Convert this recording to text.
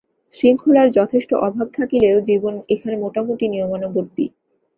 শৃঙ্খলার যথেষ্ট অভাব থাকিলেও জীবন এখানে মোটামুটি নিয়মানুবর্তী।